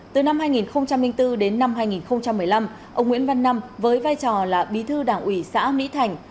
từ năm hai nghìn bốn đến năm hai nghìn một mươi năm ông nguyễn văn năm với vai trò là bí thư đảng ủy xã mỹ thành